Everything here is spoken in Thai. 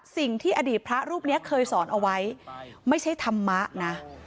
สิ่งที่อดีตพระรูปนี้เคยสอนเอาไว้ไม่ใช่ธรรมะนะ